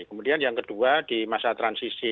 kemudian yang kedua di masa transisi